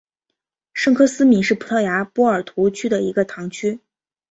圣科斯米是葡萄牙波尔图区的一个堂区。